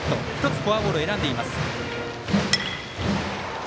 １つフォアボールを選んでいます。